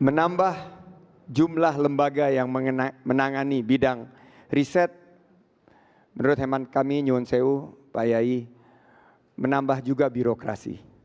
menambah jumlah lembaga yang menangani bidang riset menurut hemat kami nyun sewu pak yai menambah juga birokrasi